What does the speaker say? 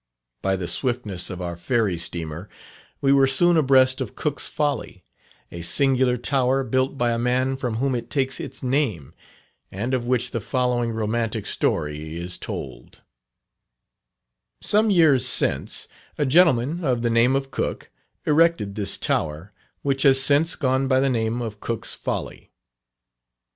By the swiftness of our fairy steamer, we were soon abreast of Cook's Folly, a singular tower, built by a man from whom it takes its name, and of which the following romantic story is told: "Some years since a gentleman, of the name of Cook, erected this tower, which has since gone by the name of 'Cook's Folly.'